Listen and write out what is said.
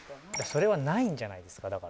それはないんじゃないですか？